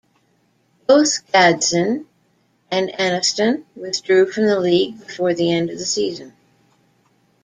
Both Gadsden and Anniston withdrew from the league before the end of the season.